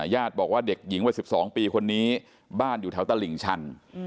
ญาติบอกว่าเด็กหญิงวัย๑๒ปีคนนี้บ้านอยู่แถวตลิ่งชัน